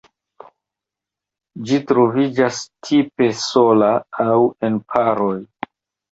Ĝi troviĝas tipe sola aŭ en paroj.